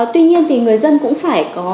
tuy nhiên thì người dân cũng phải có